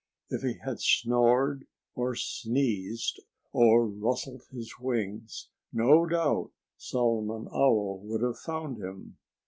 If he had snored, or sneezed, or rustled his wings, no doubt Solomon Owl would have found him.